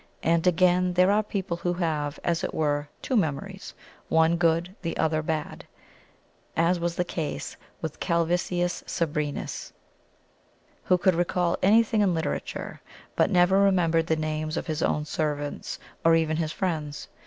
And again, there are people who have, as it were, two memories, one good, the other bad, as was the case with CALVISIUS SABRINUS, who could recall anything in literature, but never remembered the names of his own servants, or even his friends.